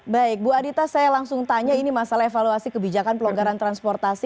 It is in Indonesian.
baik bu adita saya langsung tanya ini masalah evaluasi kebijakan pelonggaran transportasi